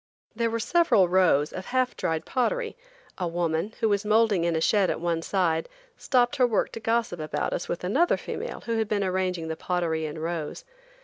There were several rows of half dried pottery. A woman, who was moulding in a shed at one side, stopped her work to gossip about us with another female who had been arranging the pottery in rows.